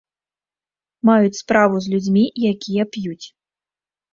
Маюць справу з людзьмі, якія п'юць.